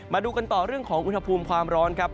มาดูกันต่อเรื่องของอุณหภูมิความร้อนครับ